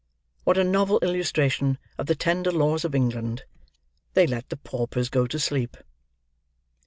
What a novel illustration of the tender laws of England! They let the paupers go to sleep!